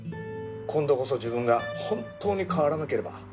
今度こそ自分が本当に変わらなければ。